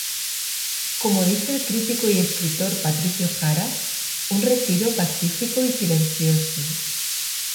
Como dice el crítico y escritor Patricio Jara: "Un retiro pacífico y silencioso.